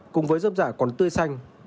cùng với dâm dạ còn tươi xanh